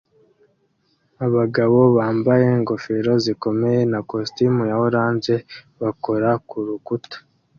Abagabo bambaye ingofero zikomeye na kositimu ya orange bakora kurukuta